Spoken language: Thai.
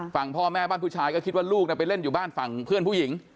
ฝั่งพ่อแม่บ้านผู้ชายก็คิดว่าลูกไปเล่นอยู่บ้านฝั่งเพื่อนผู้หญิง